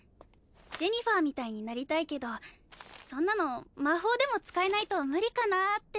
ジェニファーみたいになりたいけどそんなの魔法でも使えないと無理かなって。